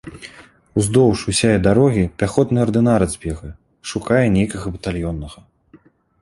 Уздоўж усяе дарогі пяхотны ардынарац бегае, шукае нейкага батальённага.